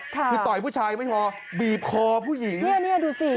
คือต่อยผู้ชายยังไม่พอบีบคอผู้หญิงเนี่ยเนี่ยดูสิ